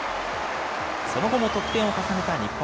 その後も得点を重ねた日本。